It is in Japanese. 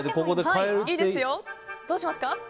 どうしますか？